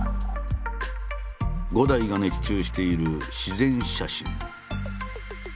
伍代が熱中している自然写真。